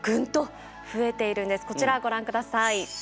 こちらご覧下さい。